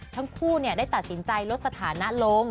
ทั้งคู่ได้ตัดสินใจลดสถานะลง